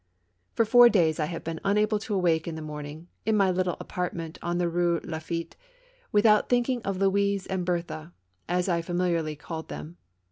For four days I have been unable to awake in the morning, in my little apartment on the Eue Laffitte, without thinking of Louise and Berthe, as I familiarly called them.